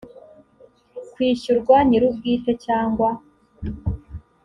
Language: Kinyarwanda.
kwishyurwa nyir ubwite cyangwa